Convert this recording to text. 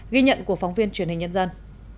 ghi nhận của phóng viên truyền hình nhân dân